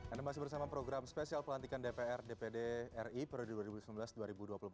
anda masih bersama program spesial pelantikan dpr dpd ri periode dua ribu sembilan belas dua ribu dua puluh empat